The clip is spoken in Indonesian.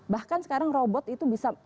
bahkan sekarang robot itu bisa